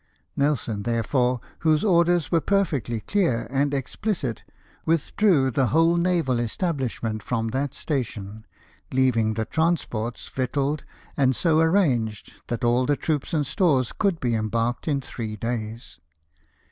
Nelson, therefore, whose orders were perfectly clear and ex plicit, withdrew the whole naval establishment from that station, leaving the transports victualled, and so arranged that all the troops and stores could be embarked in three days.